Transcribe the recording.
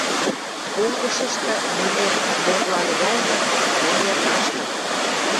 понгышышты мӹнер, конгылалӹвӓлнӹ – мӹнер лаштык.